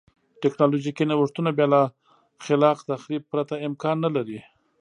ټکنالوژیکي نوښتونه بیا له خلاق تخریب پرته امکان نه لري.